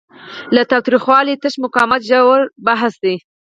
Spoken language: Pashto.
له تاوتریخوالي تش مقاومت ژور بحث دی.